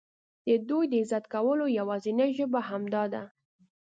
د دوی د عزت کولو یوازینۍ ژبه همدا ده.